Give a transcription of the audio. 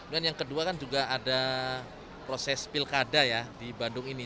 dan yang kedua kan juga ada proses pilkada ya di bandung ini